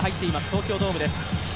東京ドームです。